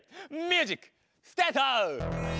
ミュージックスタート！